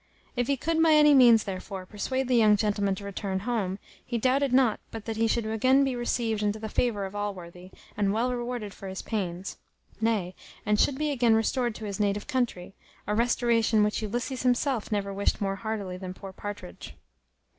If he could by any means therefore persuade the young gentleman to return home, he doubted not but that he should again be received into the favour of Allworthy, and well rewarded for his pains; nay, and should be again restored to his native country; a restoration which Ulysses himself never wished more heartily than poor Partridge.